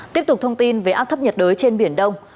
tiếp tục thông tin về áp thấp nhiệt đới trên biển đông